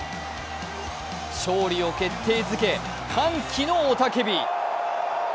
勝利を決定づけ、歓喜の雄たけび。